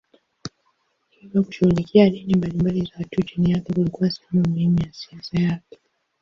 Hivyo kushughulikia dini mbalimbali za watu chini yake kulikuwa sehemu muhimu ya siasa yake.